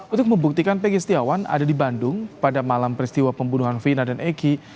untuk membuktikan pegi setiawan ada di bandung pada malam peristiwa pembunuhan vina dan eki